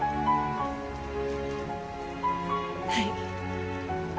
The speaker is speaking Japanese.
はい。